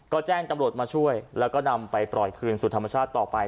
ก็แจ้งตำรวจมาช่วยแล้วก็นำไปปล่อยคืนสู่ธรรมชาติต่อไป